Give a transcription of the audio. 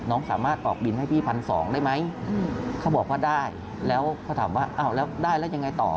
น้องสามารถออกบินให้พี่พันสองได้ไหมเขาบอกว่าได้แล้วเขาถามว่าอ้าวแล้วได้แล้วยังไงต่อ